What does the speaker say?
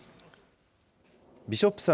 ビショップさん